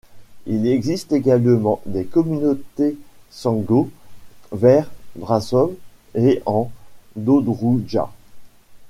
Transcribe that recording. Il existe également des communautés csángó vers Brașov et en Dobroudja.